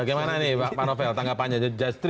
bagaimana nih pak novel tanggapannya